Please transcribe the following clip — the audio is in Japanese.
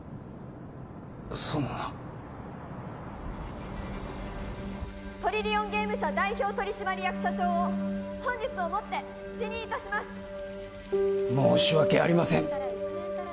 そんなトリリオンゲーム社代表取締役社長を本日をもって辞任いたします申し訳ありません